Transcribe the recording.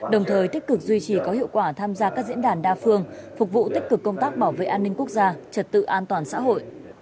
đồng thời tích cực duy trì có hiệu quả tham gia các diễn đàn đa phương phục vụ tích cực công tác bảo vệ an ninh quốc gia trật tự an toàn xã hội